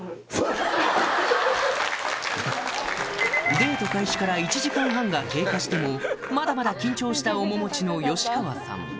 デート開始から１時間半が経過してもまだまだ緊張した面持ちの川さん